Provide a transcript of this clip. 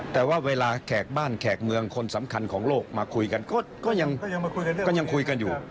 แต่ว่าเวลาแขกบ้านแขกเมืองคนสำคัญของโลกมาคุยกันก็ยังคุยกันอยู่